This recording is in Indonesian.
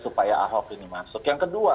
supaya ahok ini masuk yang kedua